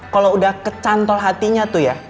kalau udah kecantol hatinya tuh ya